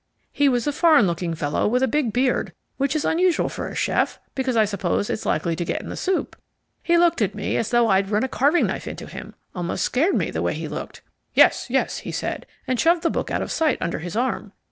He was a foreign looking fellow, with a big beard, which is unusual for a chef, because I suppose it's likely to get in the soup. He looked at me as though I'd run a carving knife into him, almost scared me the way he looked. "Yes, yes," he said, and shoved the book out of sight under his arm.